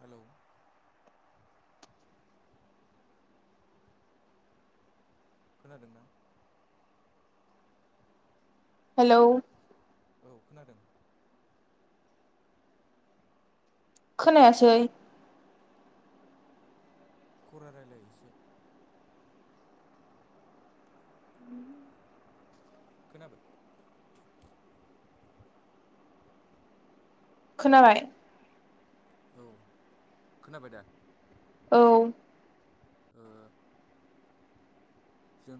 Hello खोनादोंना? Hello hello औ खोनादों खोनायासै खरा रायलाय एसे। खोनाबाय। खोनाबाय। औ खोनाबाय दा औ ओ जों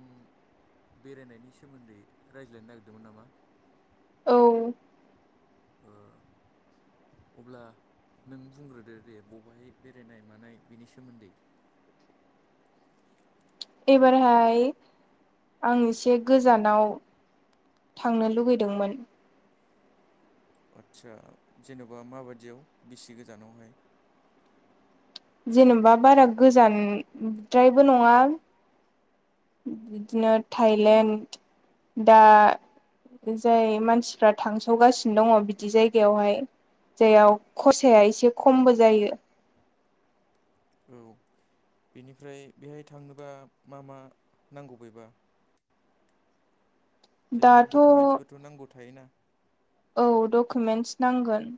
बेरायनायनि सोमोन्दै रायज्लायनो नागिरदोंमोन नामा औ ओ अब्ला नों बुंग्रोदो दे बबेहाय बेरायनाय मानाय बेनि सोमोन्दै एबारहाय आं एसे गोजानाव थांनो लुुगैदोंमोन। आदसा जेन'बा माबायदियाव बेसे गोजानावहाय जेन'बा बारा गोजानद्रायबो नङा बिदिनो थाइलेण्ड दा जाय मानसिफ्रा थांसावगासिनो दङ बिदि जायगायावहाय जायाव खरसाया एसे खमबो जायो। औ बेनिफ्राय बेहाय थांनोबा मा मा नांगौ बेबा जेनेबा दाथ' डकुमेन्टसफोरथ' नांगौ थायोना औ डकुमेन्टस नांगोन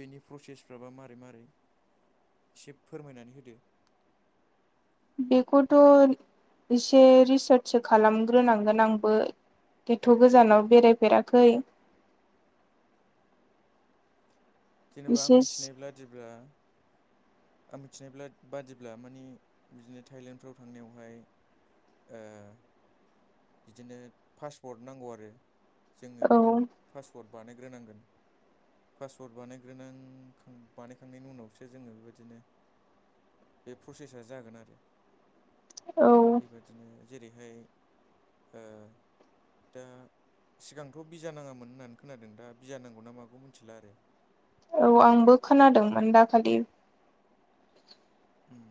बेनि प्रसेसफ्राबा मारै मारै एसे फोरमायनानै होदो बेखौथ' एसे रिसार्चसो खालामग्रोनांगोन आंबो एथ'' गोजानाव बेरायफेराखै जेनेबा आं बिसेस मिथिनाय बादिब्ला आं मिथिनायब्ला बादिब्ला माने बिदिनो थाइलेण्डफ्राव थांनायावहाय ओ बिदिनो पासपर्ट नांगौ आरो जोंनो औ बेखौ पासपर्ट बानायग्रोनांगोन पासवर्ड बानायग्रोनां खां बानायखांनायनि उनावसो जोङो बेबायदिनो बे प्रसेसा जागोन आरो औ बेबायदिनो जेरैहाय ओ दा सिगांथ' बिजा नाङामोन होननानै खोनादों दा बिजा नांगौ ना मागौ मोनथिला आरो औ आंबो खोनादोंमोन दाखालि उम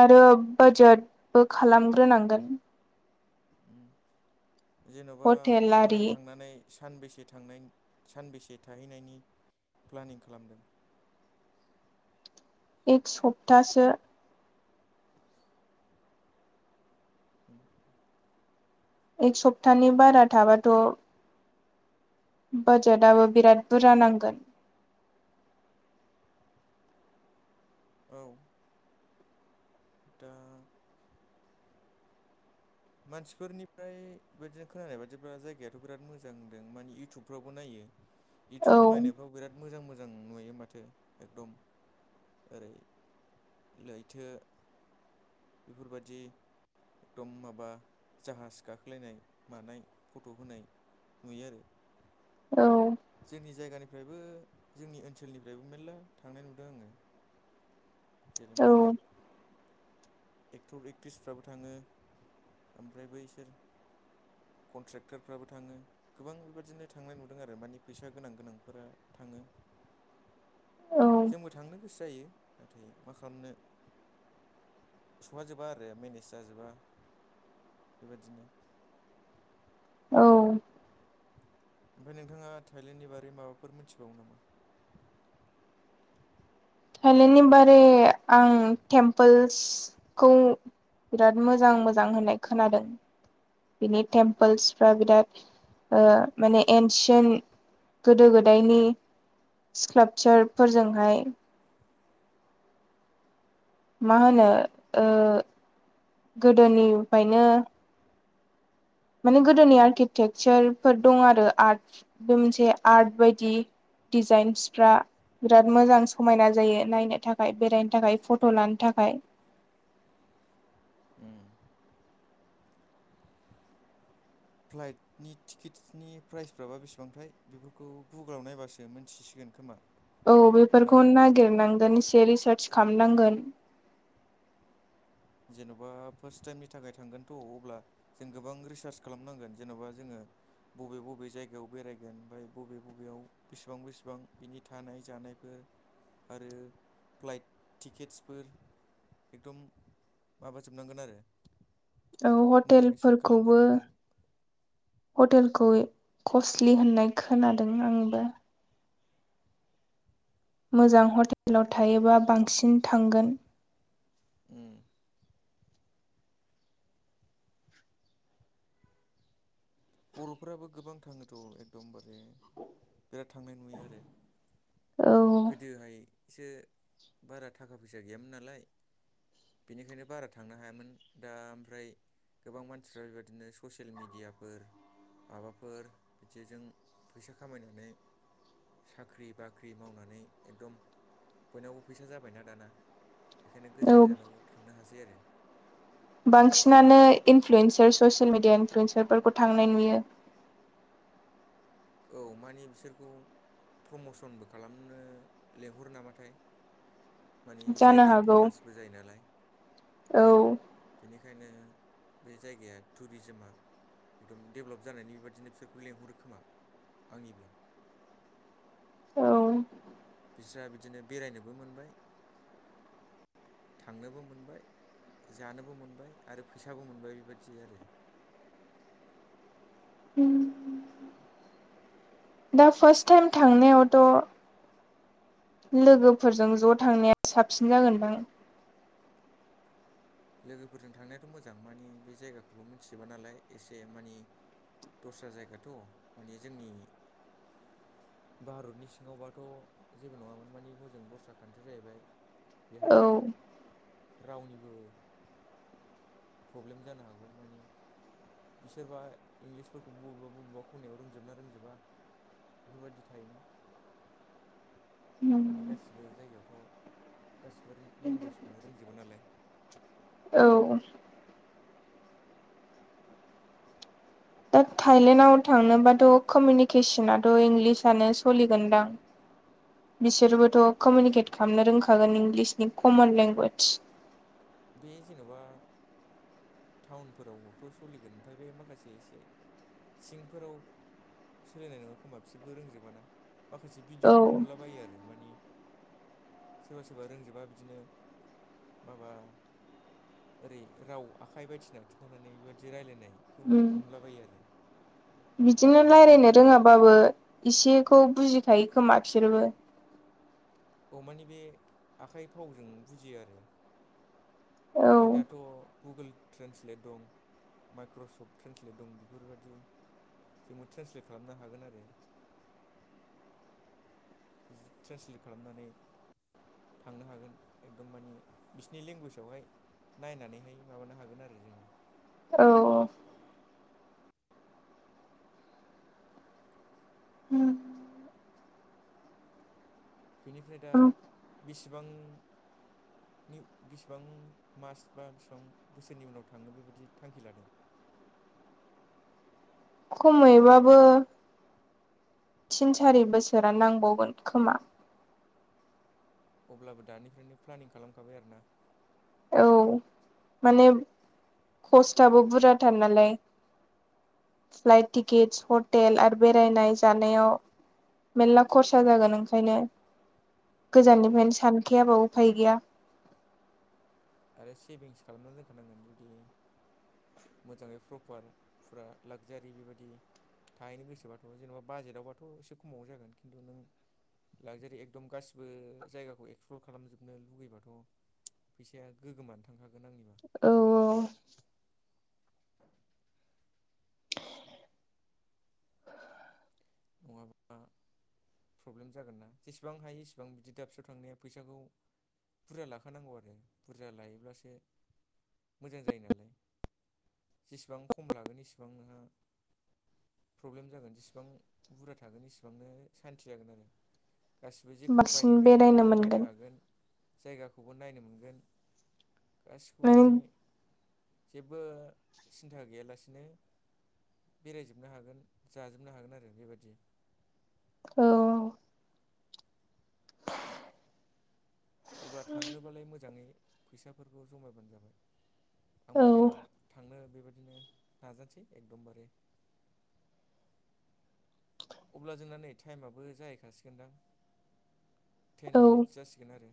आरो बाजेटबो खालामग्रोनांगोन उम जेन'बा हटेल आरि हजों थांनानै सानबेसे थांनायनि सानबेसे थाहैनायनि प्लानिं खालामदों एक सप्तासो ओम एक सप्तानि बारा थाबाथ' बाजेटआबो बिराद बुरजा नांगोन औ दा मानसिफोरनिफ्राय बेबादिनो खोनानाय बादिब्ला जायगायाथ' बिराद मोजां होनदों माने इउटुबफ्रावबो नायो [inaudible] इउटुबाव नायनायफ्राव बिराद मोजां मोजां नुयो माथो एकदम ओरै लैथो बेफोरबायदि एकदम माबा बा जाहाज गाखोलायनाय मानाय फट' होनाय नुयो आरो औ जोंनि जायगानिफ्रायबो जोंनि ओनसोलनिफ्रायबो मेल्ला थांनाय नुदों आङो जेरै औ मारै एक्ट'र एक्ट्रिसफ्राबो थाङो आमफ्राय बैसोर कनट्रेक्टारफ्राबो थाङो गोबां बेबादिनो थांनाय नुदों आरो मानि फैसा गोनां गोनांफोरा थाङो औ जोंबो थांनो गोसो जायो नाथाय मा खालामनो सौहाजोबा आरो मेनेस जाजोबा बेबादिनो औ ओमफ्राय नोंथाङा थायलेण्डनि बारै माबाफोर मोनथिबावो नामा? थाइलेण्डनि बारै आं टेमपोल्सखौ बिराद मोजां मोजां होननाय खोनादों बिनि टेम्पोल्सफ्रा बिराद ओ माने एनसियेन गोदो गोदायनि स्कालपचारफोरजोंहाय मा होनो ओ गोदोनिफायनो माने गोदोनि आर्किटेक्चारफोर दं आरो आर्ट बे मोनसे आर्ट बायदि डिजाइन्सफ्रा बिराद मोजां समायना जायो नायनो थाखाय थाखाय फट' लानो थाखाय उम फ्लाइटनि टिकेट्सनि प्राइसफ्राबा बेसेबांथाय बेफोरखौ गुगोलाव नायबासो मोनथिसिगोन खोमा औ ना बेफोरखौनो नागिरनांगोन एसे रिसार्च खामनांगोन जेन'बा फार्स्ट टाइमनि थाखाय थांगोनथ' अब्ला जों गोबां रिसार्च जेन'बा जोङो बबे बबे जायगायाव बेरायगोन ओमफ्राय बबे बबेयाव बेसिबां बेसिबां बिनि थानाय जानायफोर आरो फ्लाइट टिकेट्सफोर एकदम माबाजोबनांगोन आरो मोजाङै चेक हटेलफोरखौबो खालामजोबनांगोन हटेलखौ कसलि होननाय खोनादों आंबो मोजां हटेलाव थायोबा बांसिन थांगोन उम बर'फोराबो गोबां थाङोथ' एकदमबारे बिराद थांनाय नुयो आरो औ गोदोहायसो बारा टाका फैसा गैयामोन नालाय बिनिखायनो बारा थांनो हायामोन दा आमफ्राय गोबां मानसिफ्रा बेबादिनो ससेल मिडियाफोर माबाफोर बिदिजों फैसा खामायनानै साख्रि बाख्रि मावनानै एगदम बयनावबो फैसा जाबायना दाना बेखायनो गोजान औ गोजानाव थांनो हासै आरो बांसिनानो इनफ्लुयेन्सार ससेल मिडिया इनफ्लुयेन्सारफोरखौ थांनाय नुयो औ मानि बिसोरखौ प्रमसनबो खालामनो लेंहरो नामाथाय मानि जानो जायगाया हागौ फेमासबो जायो नालाय औ बेनिखायनो बे जायगाया टुरिजिमा एकदम डेभलप जानायनि बेबादिनो फिसोरखौ लेंहरो खोमा। आंनिब्ला औ। बिस्रा बिदिनो बेरायनोबो मोनबाय थांनोबो मोनबाय। जानोबो मोनबाय आरो फैसाबो मोनबाय बेबादि आरो। उम दा फार्स्ट टाइम थांनायावथ' लोगोफोरजों ज' थांनाया साबसिन जागोनदां। लोगोफोरजों थांनायाथ' मोजां मानि बे जायगाखौबो मिथिजोबा नालाय एसे मानि दस्रा जायगाथ' माने जोंनि भारतनि सिङावबाथ' जेबो नङामोन मानि हजों दस्रा कान्ट्रि जाहैबाय। बेहाय औ रावनिबो प्रब्लेम जानो हागौ माने। बिसोरबा इंलिसफोरखौ बबेबा बबेबा खनायाव रोंजोबना रोंजोबा बेफोरबायदि थायोना। माने गासिबो जायगायावथ' गासिबो रेल-लेंगुवेजखौनो रोंजोबा नालाय। औ दा थायलेण्डआव थांनोबाथ' कमिउनिकेसनाथ' इंलिसनो सलिगोनदां। बिसोरबोथ' कमिउनिकेट खालामनो रोंखागोन इंलिसनि कमन लेंगुवेदज। बे जेन'बा टाउनफोरावथ' सलिगोन ओमफाय बे माखासे एसे सिंफोराव ‌ सोलिनाय नङा खोमा बिसोरबो रोंजोबाना माखासे औ भिडिअ'फ्राव नुलाबायो आरो मानि सोरबा सोरबा रोंजोबा बिदिनो माबा ओरै रावा आखाइ बायदिसिना खिन्थानानै बेबायदि रायलायनायखौ उम नुलाबायो आरो। बिदिनो भिडिअआवनो रायलायनो नुलाबाय थालाय रोङाबाबो इसेखौ बुजिखायो खोमा बिसोरबो। बे आखाइ फावजों बुजियो आरो आरो औ दाथ' गुगोल ट्रेन्सलेट दं माइक्रसफ्ट ट्रेन्सलेट दं बेफोरबायदि जोंबो ट्रेन्सलेट खालामनो हागोन आरो। ट्रेन्सलेट खालामनानै थांनो हागोन एकदम मानि बिसिनि लेंगुवेजावहाय नायनानैहाय माबानो हागोन आरो जोङो। औ औ। बिनिफ्राय दा बिसेबां नि बिसेबां मास बा बिसिबां बोसोरनि उनाव थांनो बेबादि थांखि लादों। खमैबाबो थिन सारि बोसोरा नांबावगोन खोमा। अब्लाबो दानिफ्रायनो प्लेनिं खालामखाबाय आरोना। औ माने खस्तआबो बुरजाथार नालाय। फ्लाइट टिकिटस हटेल आरो बेरायनाय जानायाव। मेरला खरसा जागोन ओंखायनो औ गोजाननिफ्रायनो सानखायाबा उफाय गैया। आरो सेभिंस खालामना दोनखानांगोन जुदि मोजाङै फ्रफार फुरा लाक्जारि बेबादि थाहैनो गोसोबाथ' जेनेबा बाजेटआवबाथ' एसे खमावनो जागोन खिन्थु नों लागजारि एकदम गासिबो जायगाखौ एक्सप्लर खालामजोबनो लुगैबाथ' फैसाया ‌ गोगोमानो थांखागोन आंनिबा। औ औ। नङाबा प्रब्लेम जागोन ना जेसेबां हायो इसेबां बिदि दाबसेयाव थांनाया फैसाखौ बुरजा लाखानांगौ आरो बुरजा लायोब्लासो मोजां जायो नालाय। जेसेबां खम लागोन इसिबां नोंहा प्रब्लेम जागोन जेसेबां बुरजा थागोन एसेबांनो सान्थि जागोन आरो गासिबो जेखौ बांसिन बायनो गोसो बेरायनो बेखौबो बायनो मोनगोन हागोन। जायगाखौबो नायनो मोनगोन गासिखौबो माने जेबो सिन्था गैयालासिनो बेरायजोबनो हागोन जाजोबनो हागोन आरो बेबादि। औ। अब्ला थांनोबालाय मोजाङै फैसाफोरखौ जमायबानो जाबाय। औ आंबो देनां थांनो बेबायदिनो नाजानोसै एकदमबारे। अब्ला जोंना नै टाइमआबो जाहैखासिगोनदां टेन मिनिट्स जासिगोन आरो।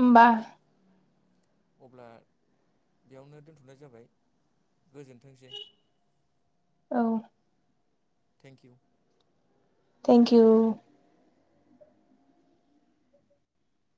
ओमबा अब्ला बेयावनो दोनथ'नाय जाबाय गोजोनथोंसै। औ। थेंकिउ। थेंकिउ। [inaudible]